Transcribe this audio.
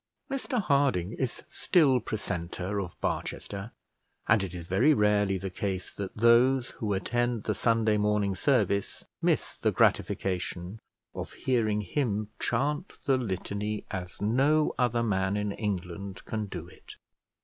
Mr Harding is still precentor of Barchester; and it is very rarely the case that those who attend the Sunday morning service miss the gratification of hearing him chant the Litany, as no other man in England can do it.